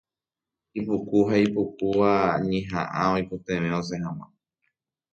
Ipuku ha ipypukúva ñehaʼã oikotevẽ osẽ haḡua.